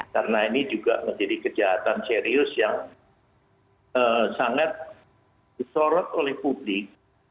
karena ini juga menjadi kejahatan serius yang sangat disorot oleh publik